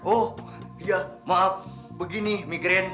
oh ya maaf begini migran